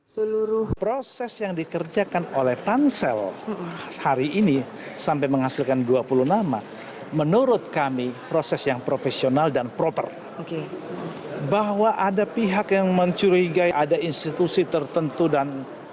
komisi empat menilai kinerja pansel akan dilakukan secara profesional dan sesuai dengan aturan